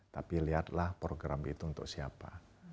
tapi lihatlah program itu untuk siapa